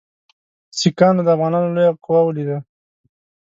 سیکهانو د افغانانو لویه قوه ولیده.